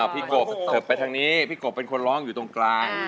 กบเสิร์ฟไปทางนี้พี่กบเป็นคนร้องอยู่ตรงกลาง